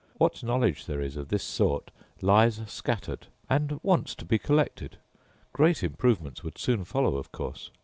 What knowledge there is of this sort lies scattered, and wants to be collected; great improvements would soon follow of course.